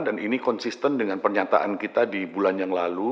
dan ini konsisten dengan pernyataan kita di bulan yang lalu